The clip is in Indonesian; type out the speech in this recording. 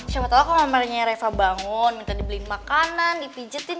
siapa tau kalo mamenya reva bangun minta dibeliin makanan dipijetin